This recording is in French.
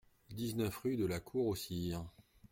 dix-neuf rue de la Cour au Sire